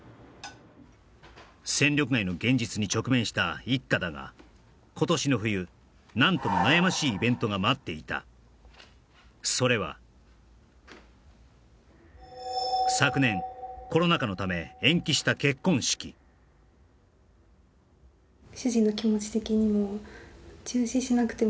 戦力外の現実に直面した一家だが今年の冬何とも悩ましいイベントが待っていたそれは昨年コロナ禍のため延期した結婚式うん